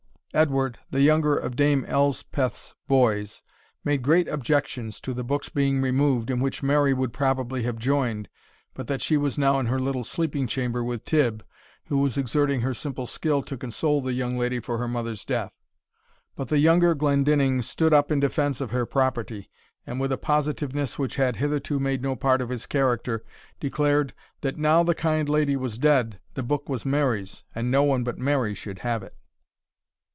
Edward, the younger of Dame Elspeth's boys, made great objections to the book's being removed, in which Mary would probably have joined, but that she was now in her little sleeping chamber with Tibb, who was exerting her simple skill to console the young lady for her mother's death. But the younger Glendinning stood up in defence of her property, and, with a positiveness which had hitherto made no part of his character, declared, that now the kind lady was dead, the book was Mary's, and no one but Mary should have it.